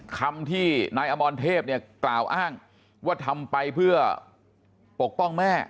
คำที่นายอมรเทพเนี่ยกล่าวอ้างว่าทำไปเพื่อปกป้องแม่